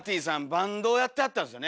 バンドやってはったんですよね。